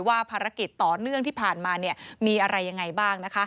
ว่าภารกิจต่อเนื่องที่ผ่านมามีอะไรยังไงบ้าง